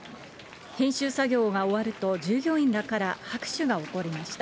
編集作業が終わると従業員らから拍手が起こりました。